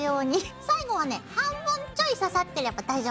最後はね半分ちょい刺さってれば大丈夫。